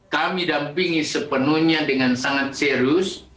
kami dampingi sepenuhnya dengan sangat serius